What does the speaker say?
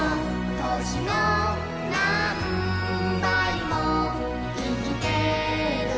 「いきてる